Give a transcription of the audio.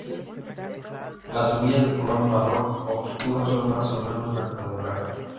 Las semillas de color marrón oscuro son más o menos rectangular.